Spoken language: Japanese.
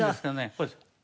こうです。